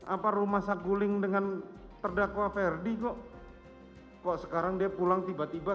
apa rumah saguling dengan terdakwa ferdi kok kok sekarang dia pulang tiba tiba